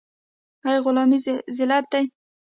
آیا غلامي ذلت دی؟